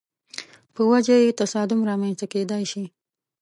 په وجه یې تصادم رامنځته کېدای شي.